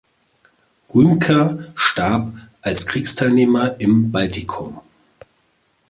Rümker starb als Kriegsteilnehmer im Baltikum.